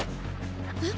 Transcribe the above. えっ。